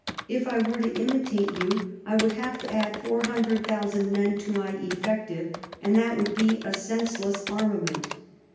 If I were to imitate you, I should have to add 400,000 men to my effective, and that would be a senseless armament.